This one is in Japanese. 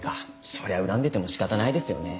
そりゃ恨んでてもしかたないですよね。